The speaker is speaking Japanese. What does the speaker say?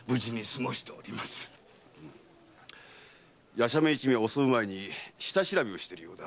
夜叉面一味は襲う前に下調べをしているようだ。